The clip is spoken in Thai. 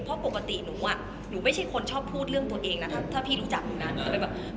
เพราะปกติหนูไม่ใช่คนชอบพูดเรื่องตัวเองนะถ้าพี่รู้จักหนูนาน